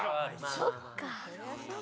そっか。